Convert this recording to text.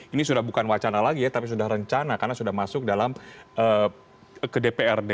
ini sudah bukan wacana lagi ya tapi sudah rencana karena sudah masuk dalam ke dprd